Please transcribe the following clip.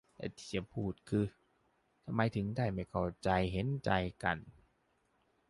แต่ที่จะพูดคือ ทำไมถึงได้ไม่เข้าใจเห็นใจกัน